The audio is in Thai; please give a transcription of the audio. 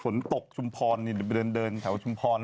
ศนตกชุมพรเนี่ยเดินถาวชุมพร